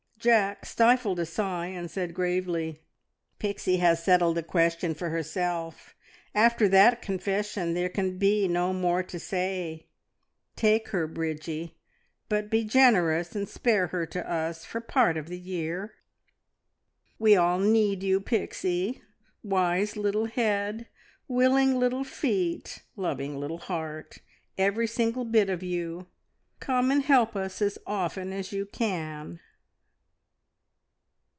Jack stifled a sigh, and said gravely "Pixie has settled the question for herself. After that confession there can be no more to say. Take her, Bridgie, but be generous and spare her to us for part of the year. We all need you, Pixie wise little head, willing little feet, loving little heart every single bit of you. Come and help us as often as you can."